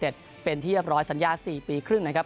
เป็นที่เรียบร้อยสัญญา๔ปีครึ่งนะครับ